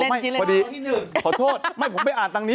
หมายถึงที่๑ขอโทษผมไปอ่านตรงนี้